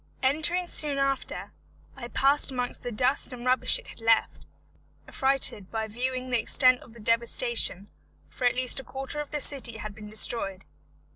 Entering soon after, I passed amongst the dust and rubbish it had left, affrighted by viewing the extent of the devastation, for at least a quarter of the city had been destroyed.